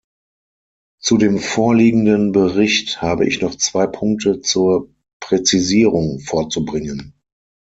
Zu dem vorliegenden Bericht habe ich noch zwei Punkte zur Präzisierung vorzubringen.